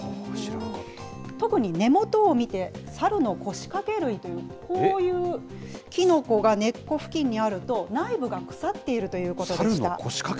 特に根元を見て、サルノコシカケ類という、こういうキノコが根っこ付近にあると、内部が腐っているということでした。